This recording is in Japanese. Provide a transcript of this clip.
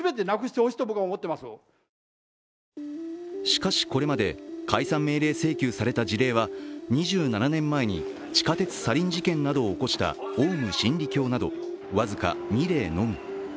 しかし、これまで解散命令請求された事例は２７年前に、地下鉄サリン事件などを起こしたオウム真理教など僅か２例のみ。